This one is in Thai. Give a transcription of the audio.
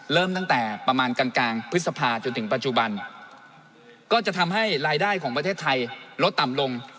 เริ่มตั้งแต่ประมาณกลางกลางพฤษภาจนถึงปัจจุบันก็จะทำให้รายได้ของประเทศไทยลดต่ำลง